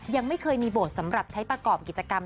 ยังไม่เคยมีโบสถ์สำหรับใช้ประกอบกิจกรรม